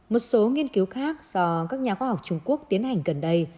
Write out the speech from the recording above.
một số nghiên cứu khác do các nhà khoa học trung quốc tiến hành gần đây